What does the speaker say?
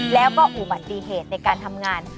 แล้วก็อุบัติเหตุในการทำงาน